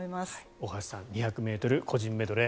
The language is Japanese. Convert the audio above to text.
大橋さん２００ｍ個人メドレー